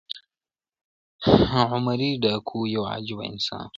عمری ډاکو یو عجیبه انسان و.